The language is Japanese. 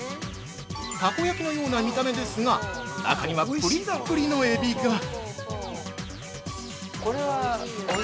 たこ焼きのような見た目ですが中にはプリップリのエビが。